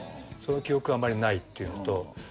その記憶があんまりないっていうのと。